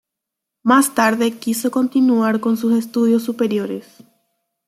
Más tarde quiso continuar con sus estudios superiores.